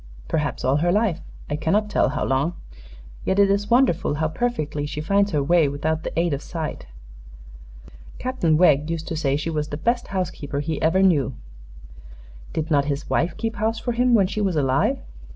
"Perhaps all her life; I cannot tell how long. Yet it is wonderful how perfectly she finds her way without the aid of sight. Captain Wegg used to say she was the best housekeeper he ever knew." "Did not his wife keep house for him, when she was alive?"